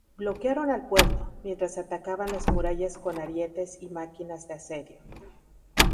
Bloquearon el puerto, mientras atacaban las murallas con arietes y máquinas de asedio.